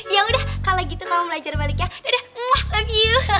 yaudah kalau gitu kamu belajar balik ya dadah love you